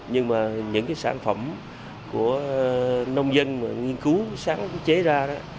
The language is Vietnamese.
nhưng mà những cái sản phẩm của nông dân mà nghiên cứu sáng chế ra đó